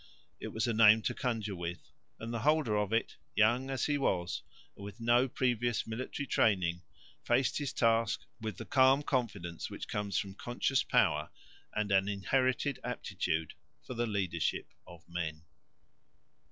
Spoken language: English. It was a name to conjure with; and the holder of it, young as he was and with no previous military training, faced his task with the calm confidence which comes from conscious power and an inherited aptitude for the leadership of men.